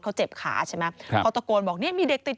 เขาเจ็บขาใช่ไหม